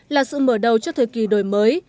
là sự mở đầu cho thời kỳ đổi mới